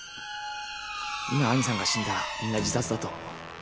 今兄さんが死んだらみんな自殺だと思う。